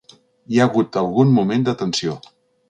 Hi ha hagut algun moment de tensió.